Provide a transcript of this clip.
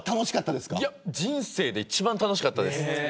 人生で一番楽しかったです。